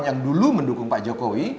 yang dulu mendukung pak jokowi